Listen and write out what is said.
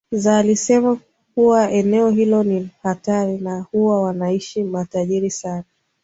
Zo alisema kuwa eneo hilo ni hatari na huwa wanaishi matajiri sana